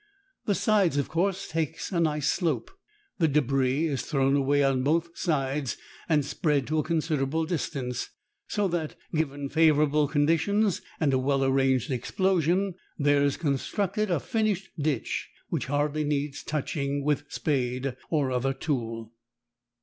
The sides, of course, take a nice slope, the debris is thrown away on both sides and spread to a considerable distance, so that, given favourable conditions and a well arranged explosion, there is constructed a finished ditch which hardly needs touching with spade or other tool.